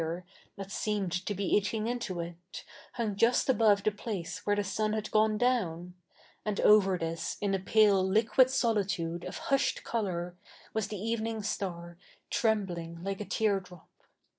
'e, that seemed to be eating into it, hu fig Just above the place whe7 e the su7t had gone dow7i ; a7id over this, iii a pale liquid solitude of hushed colour, was the eve7ii7ig star, trcTtibling like a tear drop.